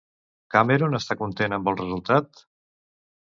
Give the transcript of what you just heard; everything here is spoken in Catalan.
Cameron està content amb el resultat?